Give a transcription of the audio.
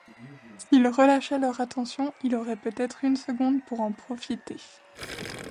S’ils relâchaient leur attention, il aurait peut-être une seconde pour en profiter.